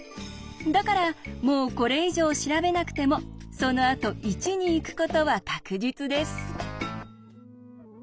だからもうこれ以上調べなくてもそのあと１に行くことは確実です。